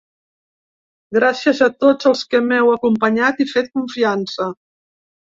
Gràcies a tots els que m'heu acompanyat i fet confiança.